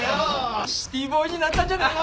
シティーボーイになったんじゃないの？